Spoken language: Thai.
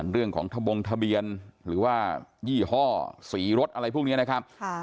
เรื่องของทะบงทะเบียนหรือว่ายี่ห้อสีรถอะไรพวกนี้นะครับ